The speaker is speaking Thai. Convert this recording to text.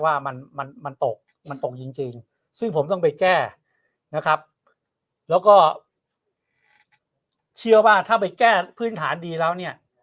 ว่ามันมันตกมันตกจริงซึ่งผมต้องไปแก้นะครับแล้วก็เชื่อว่าถ้าไปแก้พื้นฐานดีแล้วเนี่ย